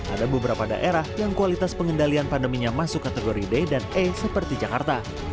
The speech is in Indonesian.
ada beberapa daerah yang kualitas pengendalian pandeminya masuk kategori d dan e seperti jakarta